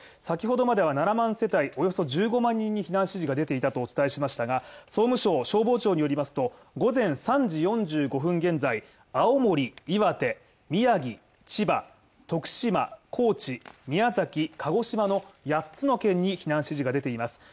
先ほどまでは７万世帯、およそ１５万人に避難指示が出ていたとお伝えしましたが、総務省消防庁によりますと、午前３時４５分現在、青森、岩手、宮城千葉、徳島、高知、宮崎、鹿児島の八つの県に避難指示が出ています。